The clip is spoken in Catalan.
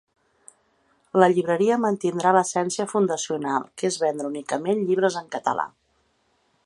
La llibreria mantindrà l’essència fundacional, que es vendre únicament llibres en català.